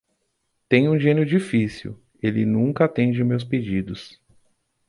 Tenho um gênio difícil: ele nunca atende meus pedidos.